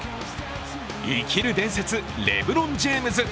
生きる伝説レブロン・ジェームズ。